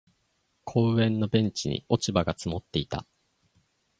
公園のベンチに落ち葉が積もっていた。